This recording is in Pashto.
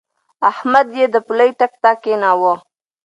احمد يې د پولۍ ټک ته کېناوو.